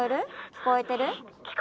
聞こえてる？